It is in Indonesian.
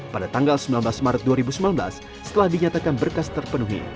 pada tanggal sembilan belas maret dua ribu sembilan belas setelah dinyatakan berkas terpenuhi